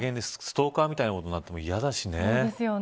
ストーカーみたいなことになっても嫌だしね。